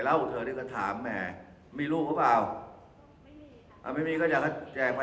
แล้วเธอลองก็ถามแหม่มีรูปหรือเปล่าอ่ะไม่มีก็จะจากน่ะแจกมา